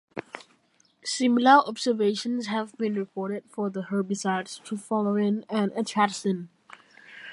Similar observations have been reported for the herbicides trifluralin and atrazine.